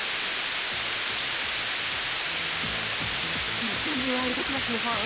これ全部ワールドクラスのファン？